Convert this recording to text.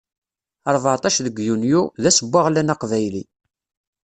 Rbeɛṭac deg yunyu, d ass n weɣlan aqbayli.